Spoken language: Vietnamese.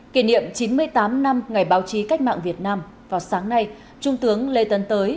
kỷ niệm chín mươi tám năm ngày báo chí cách mạng việt nam vào sáng nay trung tướng lê tấn tới